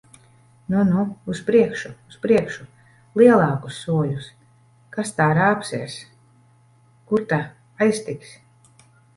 Nu, nu! Uz priekšu! Uz priekšu! Lielākus soļus! Kas tā rāpsies! Kur ta aiztiks!